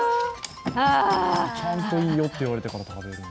ちゃんと「いいよ」と言われてから食べる。